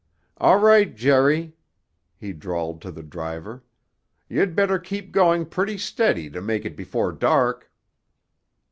All right, Jerry," he drawled to the driver. "You'd better keep going pretty steady to make it before dark."